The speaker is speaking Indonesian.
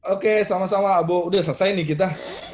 oke sama sama abu udah selesai nih kita